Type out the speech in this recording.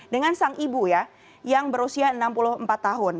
dengan sang ibu ya yang berusia enam puluh empat tahun